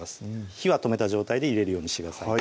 火は止めた状態で入れるようにしてください